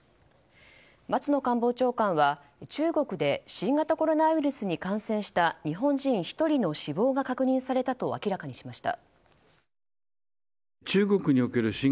松野官房長官は中国で新型コロナウイルスに感染した日本人１人の死亡が確認されたと明らかにしました。